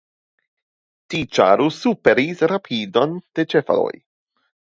Tiu ĉaro superis rapidon de ĉevaloj.